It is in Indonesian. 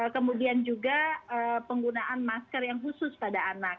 kemudian juga penggunaan masker yang khusus pada anak